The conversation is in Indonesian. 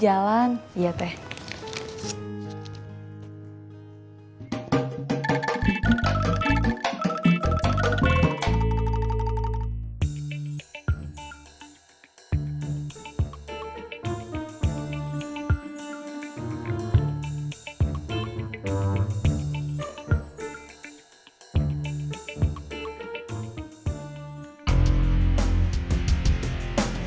ada satulling yang diselenggaraku pakai